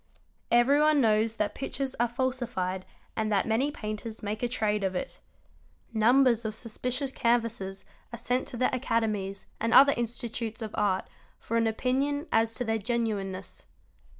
Everyone knows that pictures are falsified and that many painters make a trade of it. Numbers of suspicious canvases are sent to the academies and other institutes of art for an opinion as to their genuine ness.